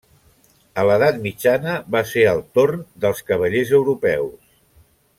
A l'edat mitjana, va ser el torn dels cavallers europeus.